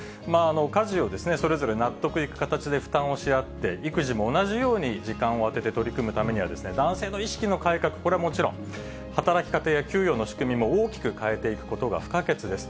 家事をそれぞれ納得いく形で負担をしあって、育児も同じように時間を充てて取り組むためにはですね、男性の意識の改革、これはもちろん、働き方や給与の仕組みを大きく変えていくことが不可欠です。